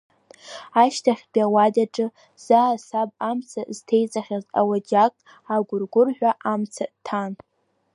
Ашьҭахьтәи ауадаҿы, заа саб амца зҭеиҵахьаз ауаџьаҟ агәыр-гәырҳәа амца ҭан.